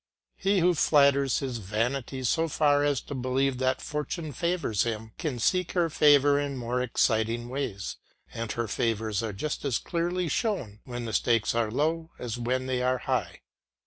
He who flatters his vanity so far as to believe that Fortune favours him can seek her favour in more exciting ways; and her favours are just as clearly shown when the stakes are low as when they are high.